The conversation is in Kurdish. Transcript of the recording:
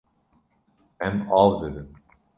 Em av didin.